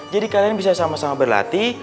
jadi kalian bisa sama sama berlatih